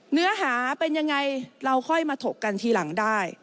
เนื้อหาเป็นยังไงเราค่อยมาถกกันทีหลังได้